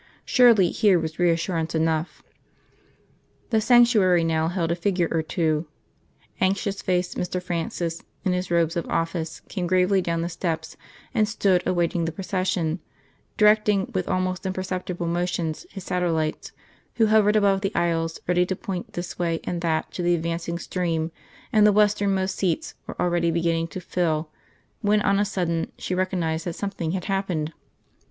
Surely here was reassurance enough. The sanctuary now held a figure or two. Anxious faced Mr. Francis, in his robes of office, came gravely down the steps and stood awaiting the procession, directing with almost imperceptible motions his satellites who hovered about the aisles ready to point this way and that to the advancing stream; and the western most seats were already beginning to fill, when on a sudden she recognised that something had happened.